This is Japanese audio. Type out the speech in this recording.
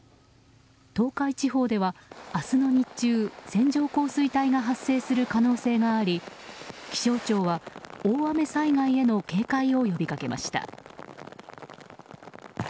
東海地方では明日の日中線状降水帯が発生する可能性があり気象庁は大雨災害への警戒を呼びかけました。